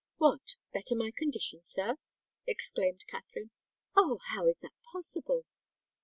"What? better my condition, sir?" exclaimed Katherine. "Oh! how is that possible?"